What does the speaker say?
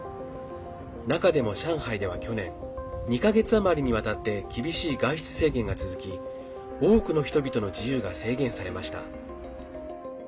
中でも上海では去年、２か月余りにわたって厳しい外出制限が続き多くの人々の自由が制限されました。